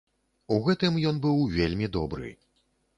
У гэтым ён быў вельмі добры.